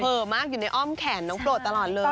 มากอยู่ในอ้อมแขนน้องโปรดตลอดเลย